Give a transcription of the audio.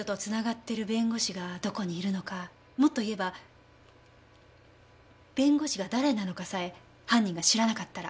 もっと言えば弁護士が誰なのかさえ犯人が知らなかったら。